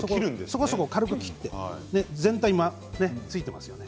そこそこ切って全体には、ついてますよね。